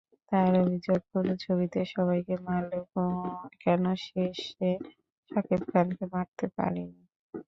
তার অভিযোগ, পুরো ছবিতে সবাইকে মারলেও কেন শেষে শাকিব খানকে মারতে পারিনি।